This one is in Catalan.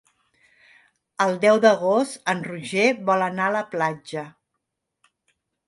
El deu d'agost en Roger vol anar a la platja.